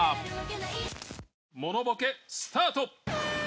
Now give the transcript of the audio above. モノボケスタート！